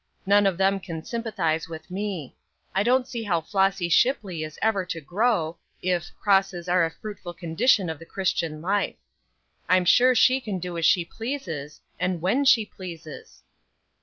None of them can sympathize with me. I don't see how Flossy Shipley is ever to grow, if 'crosses are a fruitful condition of the Christian life.' I'm sure she can do as she pleases, and when she pleases."